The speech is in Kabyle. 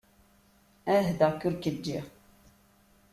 Ԑuhdeɣ-k ur k-ǧǧiɣ.